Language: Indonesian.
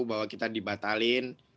bahwa kita dibatalin